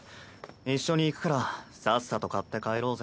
一緒に行くからさっさと買って帰ろうぜ。